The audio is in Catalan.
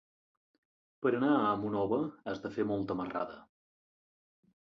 Per anar a Monòver has de fer molta marrada.